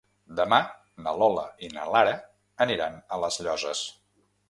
Demà na Lola i na Lara aniran a les Llosses.